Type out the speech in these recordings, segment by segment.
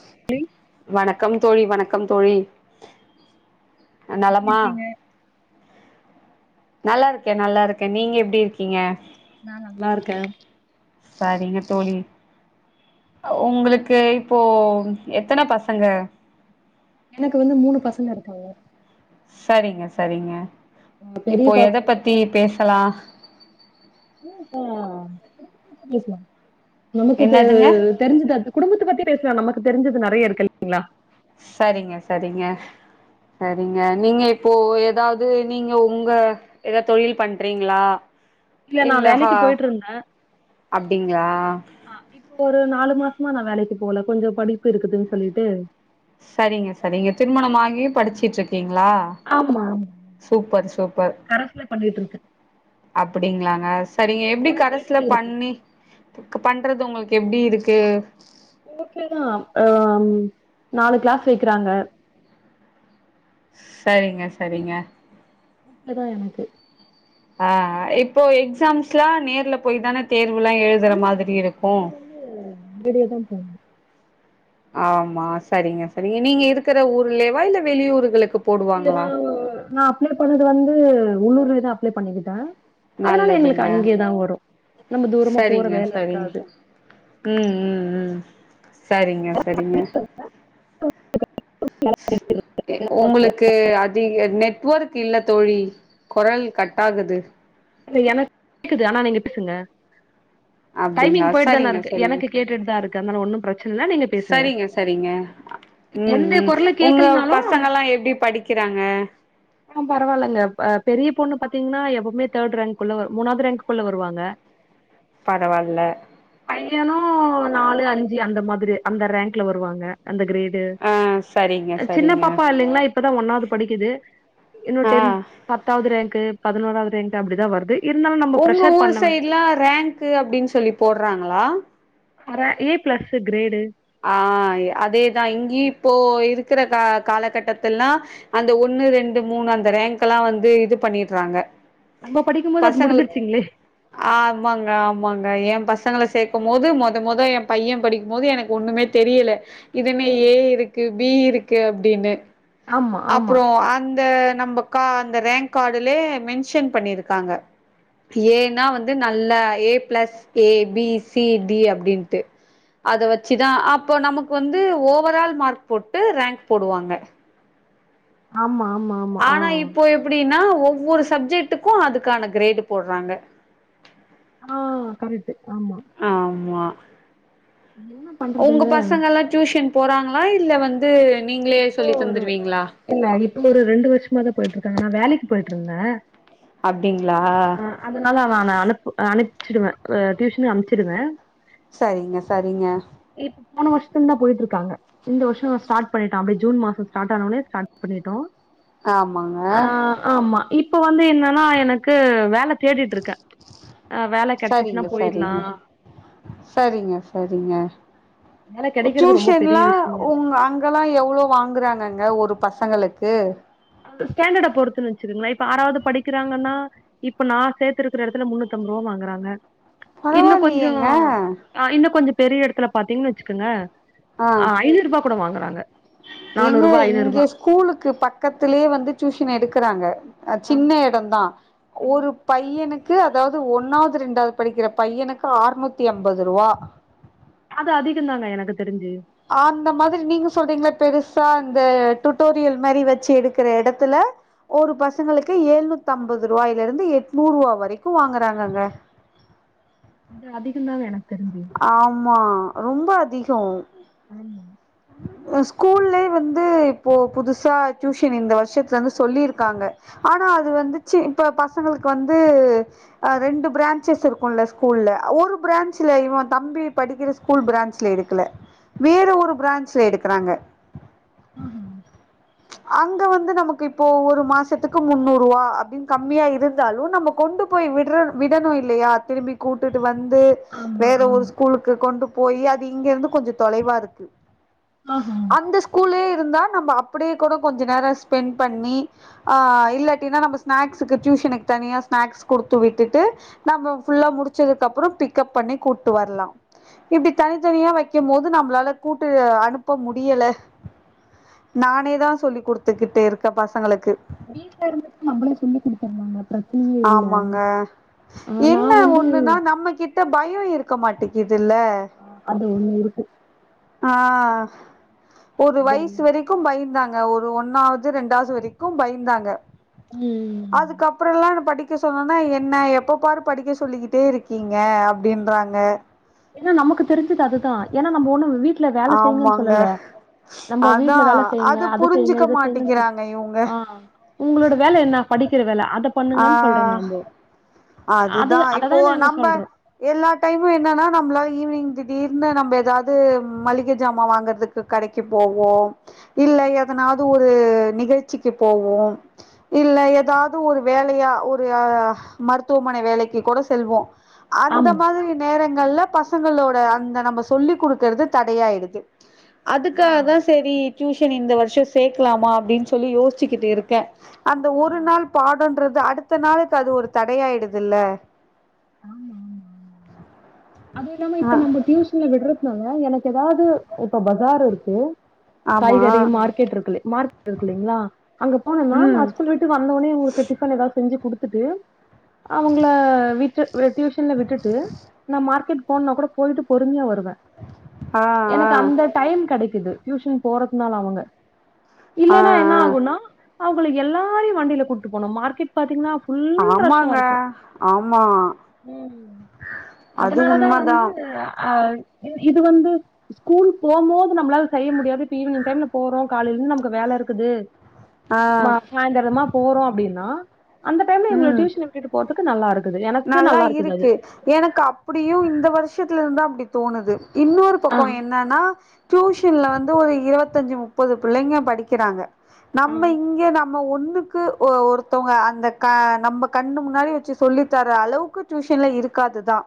[unintelligible] வணக்கம் தோழி வணக்கம் தோழி எப்டி நலமா இருக்கீங்க நல்லாருக்கே நல்லாருக்கே நீங்க எப்டி இருக்கீங்க நா நல்லாருக்கே சரிங்க தோழி ஒங்களுக்கு இப்போ எத்தன பசங்க எனக்கு வந்து மூணு பசங்க இருக்காங்க சரிங்க சரிங்க அ பெரிய இப்போ எத பாப்பா பத்தி பேசலா ஆ பேஸ்லா நமக்கு தேவ என்னதுங்க தெரிஞ்சது அது குடும்பத்த பத்தி பேசலா நமக்கு தெரிஞ்சது நிறையா இருக்கு இல்லீங்ளா சரிங்க சரிங்க சரிங்க நீங்க இப்போ எதாவ்து நீங்க உங்க எதா தொழில் பண்றீங்ளா நா இல்ல ஹா வேலைக்கு போயிட்டு அப்டிங்ளா ஆ இப்போ ஒரு நாலு மாசமா நா வேலைக்கு போல கொஞ்சோ படிப்பு இருக்குதுன் சொல்லிட்டு சரிங்க சரிங்க திருமணமாகியு படிச்சுட்டுருக்கிங்ளா ஆமா ஆமா சூப்பர் சூப்பர் கரஸ்ல பண்ணிட்டு இருக்கே அப்டிங்கிளாங்க சரிங்க எப்டி வேல கரஸ்ல தேடிட்டே இருக்கே பண்ணி பண்றது உங்ளுக்கு எப்டி இருக்கு வுட்ல தா அஹ் நாலு கிளாஸ் வைக்கிறாங்க சரிங்க சரிங்க ப்ப தா எனக்கு ஆஹ் அ இப்போ எக்ஸாம்ஸ்ல்லா நேர்ல போய் தானே தேர்வுல்லா எழுதுற ஆமா மாதிரி இருக்கு அது வந்து நேரடியா தா போனு ஆமா சரிங்க சரிங்க நீங்க இருக்கிற ஊர்லேவா இல்ல வெளியூர்களுக்கு இது நா போடுவாங்களா நா அப்ளை பண்ணது வந்து உள்ளூர்லேதா அப்ளை பண்ணிக்கிட்டே அதனால நல்லதுங்க எங்களுக்கு அங்கேயா தா வரும் நம்ம தூரமா போற வேல இருக்காது உம் உம் உம் சரிங்க சரிங்க உங்களுக்கு அதிக நெட்வொர்க் இல்ல தோழி குரல் கட்டாகுது ல்ல எனக்கு க்குது ஆனா நீங்க பேசுங்க டைமிங் அப்டிங்களா போய்ட்டு தானே சரிங்க இருக்கு சரிங்க எனக்கு கேட்டுட்டு தா இருக்கு அதனால ஒன்னு பிரச்சன இல்ல நீங்க பேசுங்க உம் எந்த உம் குரல உங்க கேக்கலனாலும் பசங்கல்லா எப்டி படிக்கிறாங்க பரவாயில்லங்க பெரிய பொண்ணு பாத்தீங்ன்னா எப்பவுமே தேர்ட் ரேங்குள்ள மூணாவது ரேங்குள்ள வருவாங்க பரவால்ல பையனு நாலு அஞ்சு அந்த மாதிரி அந்த ரேங்க்ல வருவாங்க அந்த கிரேட் ஆ சரிங்க சின்ன சரிங்க பாப்பா இல்லைங்களா இப்பதா ஒண்ணாவது படிக்கிது இன்னு ஆ டென்த் பத்தாவது ரேங்க்கு பதினோராவது ரேங்க்கு அப்டிதா வருது இருந்தாலும் நம்ம உங்க ப்ரெஷர் ஊர் பண்ண சைடுலா ரேங்க்கு அப்டின்னு சொல்லி போடுறாங்களா அற ஏ பிளஸ் கிரேடு ஆ அதேதா இங்கயு இப்போ இருக்கிற கா காலகட்டத்துல்லா அந்த ஒண்ணு ரெண்டு மூணு அந்த ரேங்க்ல்லா வந்து இது பண்ணிறாங்க நம்ப படிக்கும் போது அது முடிஞ்சிருச்சிங்களே ஆமாங்க ஆமாங்க என் பசங்கள சேக்கும் போது மொத மொத என் பையே படிக்கும் போது எனக்கு ஒண்ணுமே தெரியல இதுஎன்ன ம் ஏ இருக்கு பி இருக்கு அப்டின்னு ஆமா ஆமா அப்புறோ அந்த நம்ம அந்த ரேங்க் கார்டுலயே மென்ஷன் பண்ணிருக்காங்க ஏனா வந்து நல்ல A plus A B C D அப்டின்ட்டு அத வச்சுதா அப்ப நமக்கு வந்து ஓவர் ஆல் மார்க் போட்டு ரேங்க் போடுவாங்க ஆமா ஆமா ஆ ஆனா இப்போ எப்டின்னா ஒவ்வொரு சப்ஜெக்டுக்கு அதுக்கான கிரேடு போடுறாங்க ஆ கரெக்டு ஆமா ஆமா என்ன உங்க பண்றதுங்க பசங்கெல்லா டியூஷன் போறாங்ளா இல்ல வந்து நீங்களே இப்போ சொல்லி தந்துருவீங்ளா இல்ல இப்ப ஒரு ரெண்டு வருஷமா தான் போயிட்டு இருக்காங்க நா வேலைக்கு போயிட்டுருந்தே அப்டிங்ளா அதுனால அவ அனுப் அனுப்ச்சிடுவே ஆ டியூஷன் அம்ச்சிடுவ சரிங்க சரிங்க இப் போன வருஷத்துல தான் போயிட்டு இருக்காங்க இந்த வருஷோ ஸ்டார்ட் பண்ணிட்டோ அப்டியே ஜூன் மாசம் ஸ்டாட் ஆனோனே ஸ்டாட் பண்ணிட்டோ ஆமாங்க ஆமா இப்போ வந்து என்னன்னா எனக்கு வேல தேடிட்டு இருக்கே ஆ வேல கெடைச்சிச்சுன்னா சரிங்க போயிற்லா சரிங்க சரிங்க சரிங்க வேல கெடைக்கிறது ரொம்ப பெரிய டியூஷன்ல்லா விஷயமா இருக்கு உங்க அங் இதலா எவ்ளோ வாங்குறாங்கங்க ஒரு பசங்களுக்கு ஸாண்டர்ட பொறுத்து வேச்சிருங்களே இப்ப ஆறாவது படிக்கிறாங்கன்னா இப்ப நா சேத்திருக்கிற எடத்துல முன்னூத்துஅம்பற ரூபா வாங்குறாங்க இன்னு கொஞ்சோ பரவாயில்லையேங்க ஆ இன்னு கொஞ்சம் பெரிய எடத்துல பாத்தீங்கன் வெச்சுக்கோங்க ஆ ஐநூறு ரூபா கூட வாங்குறாங்க ஏங்க நானூரூபா இங்க ஐநூரூபா ஸ்கூலுக்கு பக்கத்துலே வந்து டியூஷன் எடுக்குறாங்க அ சின்ன எடம் தா ஒரு பையனுக்கு அதாவது ஒன்னாவது ரெண்டாவது படிக்கிற பையனுக்கு ஆற்நூத்தி அம்பது ரூபா அது அதிகதாங்க எனக்கு தெரிஞ்சு ஆந்த மாதிரி நீங்க சொல்றீங்கள பெருசா அந்த டூட்டோரியல் மாரி வச்சு எடுக்குற எடத்துல ஒரு பசங்களுக்கு எழுநூத்தம்பது ருவாயிலருந்து எட்நூருவா வரைக்கும் வாங்குறாங்கங்க இது அதிகந்தாங்க எனக்கு தெரிஞ்சு ஆமா ரொம்ப அதிக ஆமா ம் ஸ்கூல்லே வந்து இப்போ புதுசா ட்யூஷன் இந்த வருஷத்துலருந்து சொல்லிருக்காங்க ஆனா அது வந்து சீ இப்ப பசங்களுக்கு வந்து அ ரெண்டு ப்ராஞ்சஸ் இருக்குல்ல ஸ்கூல்ல ஒரு ப்ராஞ்ச் ல இவன் தம்பி படிக்கிற ஸ்கூல் ப்ராஞ்ச்ல எடுக்கல வேற ஒரு ப்ராஞ்ச்ல எடுக்குறாங்க ஆஹா அங்க வந்து நமக்கு இப் இப்போ ஒரு மாசத்துக்கு முன்னூருவா அப்டின் கம்மியா இருந்தாலு நம்ம கொண்டு போய் விட்ற விடணு இல்லையா திரும்பி கூட்டுட்டு வந்து ஆமா வேற ஒரு ஆமா ஸ்கூலுக்கு கொண்டு போயி அது இங்கருந்து கொஞ்சோ தொலைவாருக்கு ஆஹா அந்த ஸ் கூலே இருந்தா நம்ப அப்பிடியே கூட கொஞ்ச நேரோ ஸ்பெண்ட் பண்ணி ஆ இல்லாட்டினா நம்ப ஸ்நாக்ஸுக்கு ட்யூஷனுக்கு தனியா ஸ்நாக்ஸ் குடுத்து விட்டுட்டு நம்ப ஃபுல்லா முடிச்சதுக்கப்பறம் பிக்கப் பண்ணி கூட்டு வர்லா இப்டி தனித்தனியா வக்கிம்போது நம்பளால கூட்டு அனுப்ப முடியல நானேதா சொல்லி் குடுத்துக்கிட்டு இருக்க பசங்களுக்கு வீட்லருந்துட்டு நம்பளே சொல்லி் குடுத்துரலாம்ல பிரச்சனையேல்ல ஆமாங்க. அ நா வந்து ட்ட பய இருக்க மாட்டிகிதுல்ல அ அது ஒண்ணு இருக்கு ஆ ஒரு அது வய்சு வெரிக் கு பயந்தாங்க ஒரு ஒன்னாவுது ரெண்டாவுது வரைக்கு பயந்தாங்க ம் அதுக்கப்பறல்லா படிக்க சொன்னோன்னா என்ன எப்ப பாரு படிக்க சொல்லிகிட்டே இருக்கீங்க அப்டின்றா ங்க ஏன்னா நமக்கு தெரிஞ்சதது அதுதா ஏன்னா நம்ப ஒண்ணு வீட்ல வேல செய்யுங்கன் ஆமாங்க. சொல்லலா நம்ம வீட்ல அதான். வேல செய்ங்க அத செய்ங்க புரிஞ்சுக்க இத செய்யுங்கன் சொல்லி மாட்டிக்கிறாங்க இவுங்க. ஆ உங்களோட வேல என்னா படிக்கிற வேல அத பண்ணுங்கன்னு சொல்றோ நம்போ அது அதுதா இப்போ அததா நாங்க நம்ப சொல்றோ எல்லா டைமு என்னன்னா நம்ப்ளால ஈவினிங் திடீர்னு நம்ப எதாது மள்ளிக ஜாமான் வாங்கறதுக் கு கடக்கி போவோ இல்ல எதனாது ஒரு நிகழ்ச்சிக்கி போவோ இல்ல ஏதாவ்து ஒரு வேலையா ஒரு அ மருத்துவமனை வேலைக்கு கூட செல்வோ அந்த ஆமா மாதிரி நேரங்கள்ல பசங்களோட அந்த நம்ப சொல்லி குடுக்கறது தடையாயிடுது ஆ அதுக்காகதா செரி ட்யூஷன் இந்த வர்ஷ சேக்கலாமா அப்டின் சொல்லி யோசிச்சிக்கிட்டு இருக்கே அந்த ஆ ஒரு நாள் ஆமா பாடோன்றது அடுத்த நாளுக்கு அது ஒரு தடையாயிடுதில்ல ஆமா ஆமா ஆமா அதுவு இல்லாம ஆ இப்ப நம்ப ட்யூசன்ல விட்றதுனால எனக்கு ஏதாவுது இப்ப பஜார் இருக்கு ஆமா காய்கறி மார்கெட்ருக்கில்லே மார்கெட் இருக்குல்லீங்களா அங்க போனன்னா ம் நா ஸ்கூல் வீட்டுக்கு வந்தோனே இவுங்குளுக்கு டிஃபன் எதாவ்து செஞ்சு குடுத்துட்டு அவுங்கள விட்டு வேற ட்யூஷன்ல விட்டுட்டு நா மார்க்கெட் போன்னா கூட போய்ட்டு பொறுமையா வருவே ஆ எனக்கு அந்த டைம் கெடைக்குது ட்யூஷன் போறத்துனால அவுங்க ஆ ஆ இல்லேனா என்னாகுன்னா அவுங்கள எல்லாரையு வண்டில கூட்டு போனு மார்க்கெட் பத்தீங்கன்னா ஆ ஃபுல் ஆமாங்க ரஷ்ஷாருக்கு ஆமா ம் அது அதுனாலதா உண்மதா வந்து அ இது இது வந்து ஸ்கூல் போம்போது நம்மளால செய்ய முடியாது இப்ப ஈவினிங் டைம்ல போறோ காலையிலெருந்து நமக்கு வேல இருக்குது ஆ மா சாயந்தரமா போறோ அப்டின்னா அந்த டைம்ல இவுங்கள ம் டியூஷன் விட்டிட்டு போறதுக்கு நல்லா இருக்குது எனக்கு நல்லா இருக்குது அது எனக்கு அப்டியு இந்த வர்ஷத்துல இருந்தா அப்டி தோணுது இன்னொரு ஆ பக்கோ என் என்னன்னா டியூஷன்ல வந்து ஒரு இருவத்தஞ்சு முப்பது பிள்ளைங்க படிக்கிறாங்க ஆ நம்ம இங்கே நம் ம ஒண்ணுக்கு ஒ ஒருத்தவங்க அந்த க நம்ம கண்ணு முன்னாடி வச்சு சொல்லி தர அளவுக்கு டியூஷன்ல இருக்காதுதா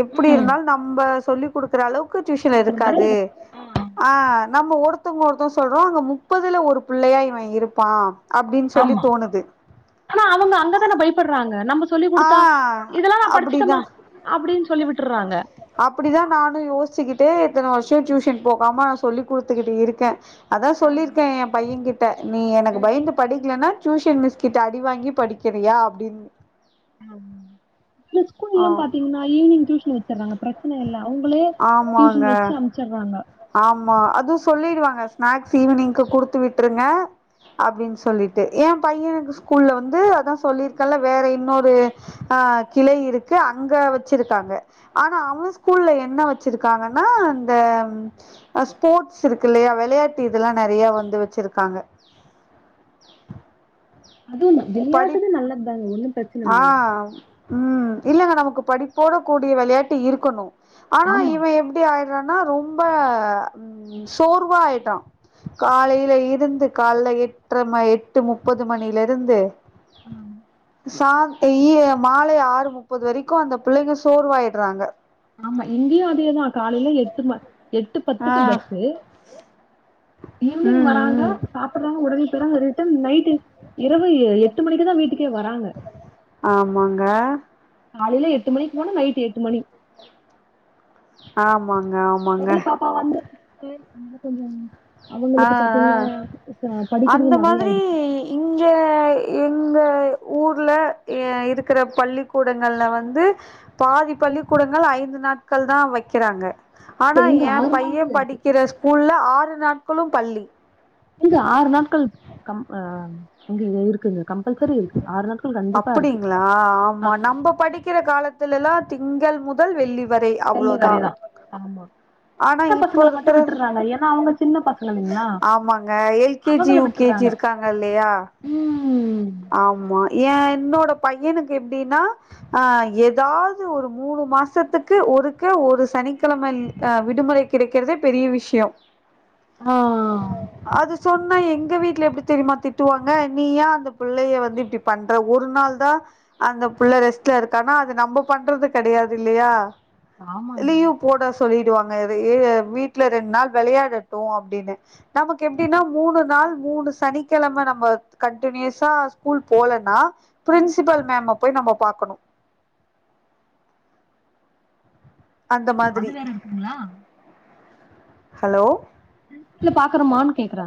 எப்டி ம் இருந்தாலு நம்ப சொல்லி குடுக்குற அளவுக்கு டியூஷன்ல குடுக்குற மாரி இருக்காது இருக்கு ஆ நம்ம ஒருத்தவங்க ஒருத்தங்க சொல்றோம அங்க முப்பதுல ஒரு புள்ளையா இவ இருப்பா அப்டின்னு சொல்லி ஆமா தோணுது ஆனா அவுங்க அங்கதானே பயப்படுறாங்க நம்ப சொல்லிக் ஆ குடுத்தா இதெல்லா நா படிச்சிட்டேம்மா அப்டிதா அப்டின்னு சொல்லி விட்டுறாங்க அப்டிதா நானு யோசிச்சிக்கிட்டே இத்தன வர்ஷ டியூஷன் போகாம நா சொல்லி் குடுத்துக்கிட்டு இருக்கே அதா சொல்லியிருக்கே எ பைய கிட்ட நீ ஆ எனக்கு பயந்து படிக்கலன்னா டியூஷன் மிஸ் கிட்ட அடி வாங்கி படிக்கிறியா அப்டின்னு [unintelligible] ஆ ஸ்கூல்லா பாத்தீங்கன்னா ஈவினிங் டியூசன் வச்சுறாங்க ப்ர ச்சன இல்ல அவுங்களே ஆமாங்க டியூஷன் வச்சு அமுச்சுறாங்க ஆமா அதுவு சொல்லிடுவாங்க ஸ்நாக்ஸ்ஸு ஈவினிங்க்கு குடுத்து விட்டுருங்க அப்டின்னு சொல்லிட்டு எ பையனுக்கு ஸ்கூல்ல வந்து அதா சொல்லியிருக்கல்ல வேற இன்னொரு ஆ கிளை இருக்கு அங்க வச்சிருக்காங்க ஆனா அவுங் ஸ்கூல்ல என்ன வச்சிருக்காங்கனா அந்த அ ஸ்போர்ட்ஸ் இருக்கு இல்லையா வெளையாட்டு இதெல்லா நெறையா வந்து வெச்சிருக்காங்க அதும் விளையாட்டுதே நல்லதுதாங்க ஒன்னும் பிரச்சன இல்ல ஆம் ம் இல்லங்க நமக்கு படிப்போட கூடிய வெளையாட்டு இருக்கணு ஆனா ஆமா. இவ எப்டி ஆய் ட்றானா ரொம்ப சோர்வா ஆயிட்டா காலைல இருந்து கால்ல எட்ர ம எட்டு முப்பது மணில இருந்து ம் சாந்த இய மாலை ஆறு முப்பது வரைக்கு அந்த பிள்ளைங்க சோர்வாயிட்றாங்க ஆமா இங்கேயு அதே தா காலைல எட்டு ம எட்டு பத் ஆ துக்கு பஸ்ஸு ஈவ்னிங் ம் வராங்க ம் சாப்பிட்றாங்க ஓடனே போயிட்றாங்க ரிட்டன் நைட்டு இரவு எ எட்டு மணிக்கு தா வீட்டுக்கே வராங்க ஆமாங்க காலைல எட்டு மணிக்கு போனா நைட்டு எட்டு மணி ஆமாங்க ஆம் பெரிய பாப்பா வந்து [inaudible] அதனால கொஞ்ச ஆ அவுங்களுக்கு பாத்தீங்னா ஆ ச அந்த படிக்கிறது நெறையா மாதிரி ஆயிடுச்சு இங்க எங்க ஊர்ல எ இருக்கிற பள்ளிக்கூடங்கள்ல வந்து பாதி பள்ளிக்கூடங்கள் ஐந்து நாட்கள் தா வக்கிறாங்க இப்ப ஆனா இங்க எ பைய நாட்கள் இருக்கு. படிக்கிற ஸ்கூல்ல ஆறு நாட்களு பள்ளி ஏங்க ஆறு நாட்கள் கம் அ இங்கயு இருக்குங்க கம்பல்சரி இருக்கு ஆறு நாட்கள் கண்டிப்பா இருக்கு அப்பிடிங்ளா ஆமா நம்ப படிக்கிற காலத் துலலா திங்கள் முதல் வெள்ளி வரை வெள்ளி அவ்ளோதா வரைதா ஆமா ஆனா சின்ன இப்போ பசங்கள மட்டு இருக்குற விட்டுறாங்க ஏன்னா அவங்க சின்ன பசங்க இல்லைங்களா ஆமாங்க எல் கே ஜி அவங்கள யூ கே ஜி விட்டுறாங்க இருக்காங்க இல்லையா ம் ஆமா எ என்னோட பையனுக்கு எப்டினா ஆ எதாவ்து ஒரு மூணு மாசத்துக்கு ஒருக்க ஒரு சனிக்கெழமை அ விடுமுறை கிடைக்கிறதே பெரிய விஷ்ய ஆ ஆ அது சொன்னா எங்க வீட்டல எப்டி தெரிமா திட்டுவாங்க நீ ஏ இந்த புள்ளைய வந்து இப்டி பண்ற ஒரு நாள் தா அந்த புள்ள ரெஸ்ட்ல இருக்கானா அது நம்ப பண்றது கெடையாது இல்லையா ஆமாங்க லீவ் போட சொல்லிடுவாங்க இவ ஏ வீட்ல ரெண்டு நாள் வெளையாடட்டு அப்டின்னு நமக்கு எப்டினா மூணு நாள் மூணு சனிக்கெழம நம்ம கண்ட் டினியூஸா ஸ்கூல் போலனா பிரின்சிபல் மேம போய் நம்ம பாக்கணு அந்த அது மாதிரி வேற இருக்குங்களா ஹலோ இல்ல பாக்குறமான் கேக்குறே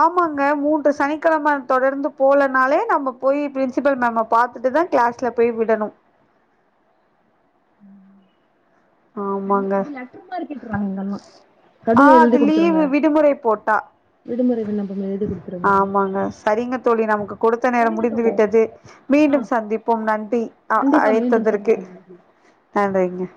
ஆமாங்க மூன்று சனிக்கெழம தொடர்ந்து போலனாலே நம்ம போயி பிரின்சிபல் மேம பாத்துட்டுதா கிலாஸ்ல போய் விடணு தம்பி ஆமாங்க அது லெட்ரு மாரி கேட்ருறாங்க உங்கம்மா ஆ அது லீவு விடுமுறை போட்டா விடுமுறை விண்ணப்பம் எழுதி குடுத்துருங்க ஆமாங்க சரிங்க தோழி நமக்கு கொடுத்த நேரம் சரிங்க முடிந்து தோழி விட்டது ஆ மீண்டும் சந்திப்போம் நன்றி அ அழைத்ததற்கு ம் நன்றிங்க